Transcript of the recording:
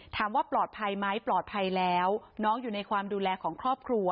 ถามว่าปลอดภัยไหมปลอดภัยแล้วน้องอยู่ในความดูแลของครอบครัว